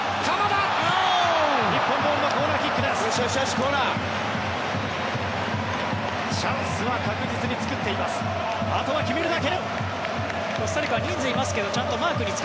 日本ボールのコーナーキックです。